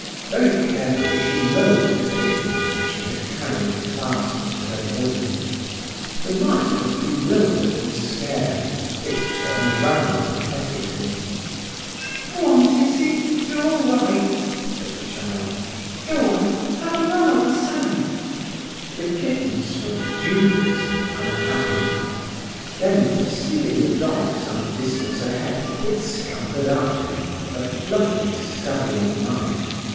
Very carefully she lowered the kitten which she had carried clasped to her bosom. The mite was bewildered and scared. It turned round pathetically. "Go on, Tissie; you're all right," said the child. "Go on; have a run on the sand." The kitten stood dubious and unhappy. Then, perceiving the dog some distance ahead, it scampered after him, a fluffy, scurrying mite.